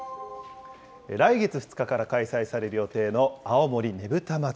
来月２日から開催される予定の青森ねぶた祭。